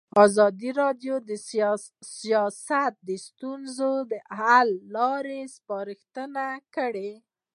ازادي راډیو د سیاست د ستونزو حل لارې سپارښتنې کړي.